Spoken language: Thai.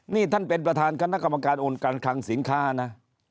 นี่ท่านเป็นประธานคณะกรรมการโอนการคลังสินค้านะ